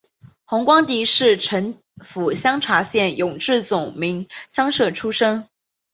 洪光迪是承天府香茶县永治总明乡社出生。